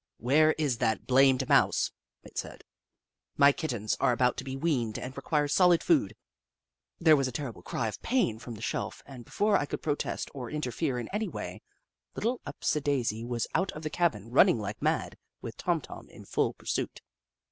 " Where is that blamed Mouse ?" it said. " My Kittens are about to be weaned and require solid food." There was a terrible cry of pain from the Little Upsidaisi 19 shelf, and before I could protest or interfere in any way, Little Upsidaisi was out of the cabin, running like mad, with Tom Tom in full pursuit.